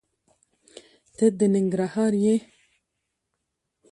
دته د ننګرهار یې؟